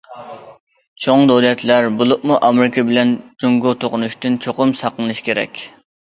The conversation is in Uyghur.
چوڭ دۆلەتلەر، بولۇپمۇ ئامېرىكا بىلەن جۇڭگو توقۇنۇشتىن چوقۇم ساقلىنىشى كېرەك.